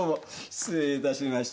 失礼致しました。